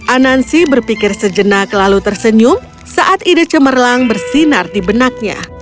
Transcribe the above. anansi berpikir sejenak lalu tersenyum saat ide cemerlang bersinar di benaknya